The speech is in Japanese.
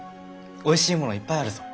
おいしいものいっぱいあるぞ。